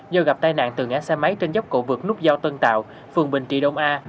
do gặp tai nạn từ ngã xe máy trên dốc cổ vượt nút giao tân tạo phường bình trị đông a